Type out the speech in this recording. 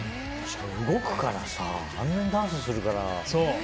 動くからさあんなにダンスするから。